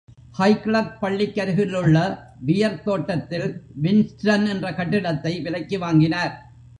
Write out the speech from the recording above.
Highclere பள்ளிக்கருகிலுள்ள pear தோட்டத்தில் Winston என்ற கட்டிடத்தை விலைக்கு வாங்கினர்.